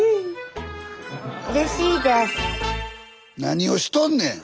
何をしとんねん！